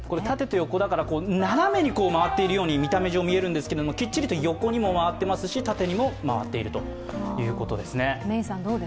縦と横だから斜めに回っているように見えるんですけれども、きっちりと横にも回っていますし、縦にも回っているということです。